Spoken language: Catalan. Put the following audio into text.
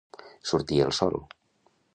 Sortir el sol.